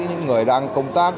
những người đang công tác